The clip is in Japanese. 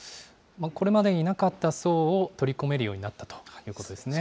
これまでになかった層を取り込めるようになったということですね。